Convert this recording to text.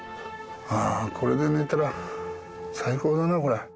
これで寝たら最高だなこれ。